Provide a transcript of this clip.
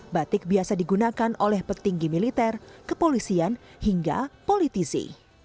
batik biasa digunakan oleh petinggi militer kepolisian hingga politisi